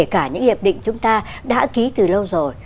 cả những hiệp định chúng ta đã ký từ lâu rồi